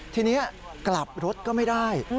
ทีนี้กลับรถก็ไม่ได้